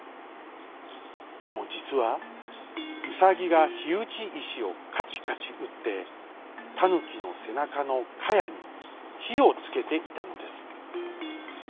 でもじつはウサギがひうちいしをカチカチうってタヌキのせなかのかやにひをつけていたのです。